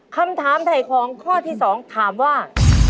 คำถามไถ่ของข้อที่๒ถามว่า